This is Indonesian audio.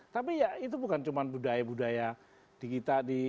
tapi ya itu bukan cuma budaya budaya digital